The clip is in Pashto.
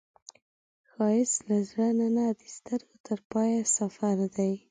ښایست له زړه نه د سترګو تر پایه سفر دی